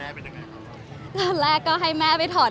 มันเป็นปัญหาจัดการอะไรครับ